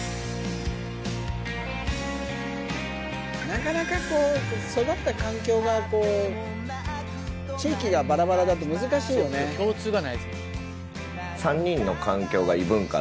なかなか育った環境がこう地域がバラバラだと難しいよね共通がないですもん